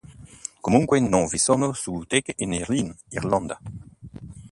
Comunque non vi sono sue teche in Irlanda.